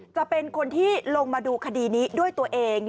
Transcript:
จะเป็นคนที่ลงมาดูคดีนี้ด้วยตัวเอง